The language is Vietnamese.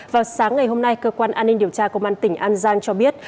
vào sáng ngày hôm nay cơ quan an ninh điều tra công an tỉnh an giang cho biết